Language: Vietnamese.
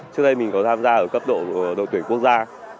trước đây mình có tham gia ở cấp độ đội tuyển quốc gia